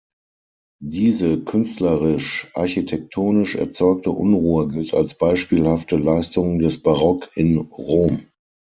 Diese künstlerisch-architektonisch erzeugte Unruhe gilt als beispielhafte Leistung des Barock in Rom.